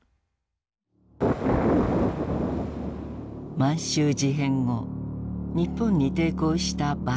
満州事変後日本に抵抗した馬占山。